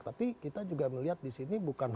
tapi kita juga melihat disini bukan hanya